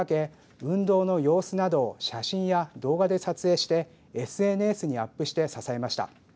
運動の様子などを写真や動画で撮影してＳＮＳにアップして支えました。